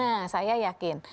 nah saya yakin